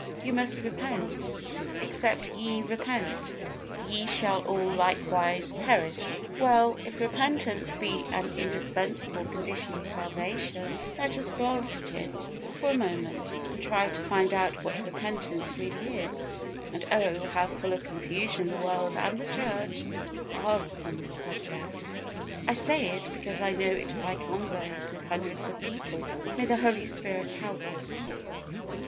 _ You must repent. "Except ye repent, ye shall all likewise perish." Well, if repentance be an indispensable condition of salvation, let us glance at it for a moment, and try to find out what repentance really is; and, oh! how full of confusion the world and the church are upon this subject! I say it, because I know it by converse with hundreds of people. May the Holy Spirit help us!